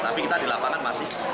tapi kita dilaporkan masih